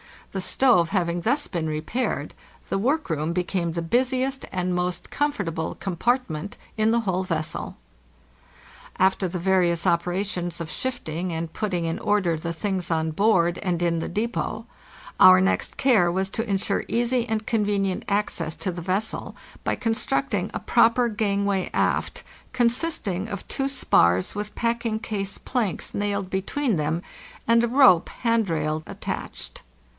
The stove having thus been repaired, the workroom became the busiest and most comfortable compartment in the whole vessel. After the various operations of shifting and putting in order the things on board and in the depot, our next care was to insure easy and convenient access to the vessel by constructing a proper cangway aft, consisting of two spars with packing case planks nailed between them and a rope hand rail attached.